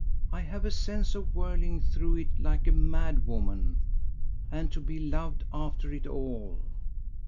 I have a sense of whirling through it like a madwoman. And to be loved, after it all!